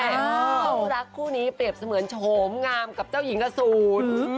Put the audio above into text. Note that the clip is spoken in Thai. คู่รักคู่นี้เปรียบเสมือนโฉมงามกับเจ้าหญิงอสูร